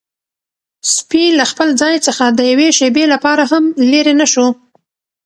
سپی له خپل ځای څخه د یوې شېبې لپاره هم لیرې نه شو.